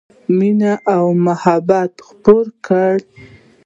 مینه او محبت خپور کړئ